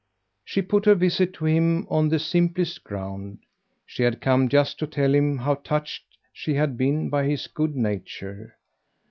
She put her visit to him on the simplest ground; she had come just to tell him how touched she had been by his good nature.